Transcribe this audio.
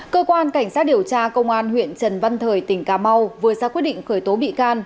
cơ quan cảnh sát điều tra công an huyện trần văn thời tỉnh cà mau vừa ra quyết định khởi tố bị can